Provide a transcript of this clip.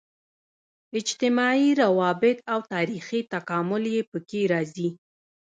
اجتماعي روابط او تاریخي تکامل یې په کې راځي.